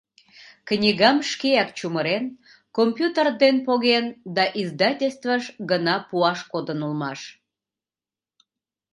Книгам шкеак чумырен, компьютер ден поген да издательствыш гына пуаш кодын улмаш.